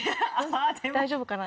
大丈夫かな？